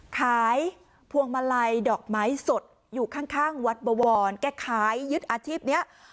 ขายพวงมาลัยดอกไม้สดอยู่ข้างวัดบวรแก้ขายยึดอาทิตย์เนี้ย